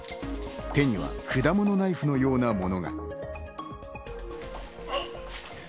手には果物ナイフのようなものが。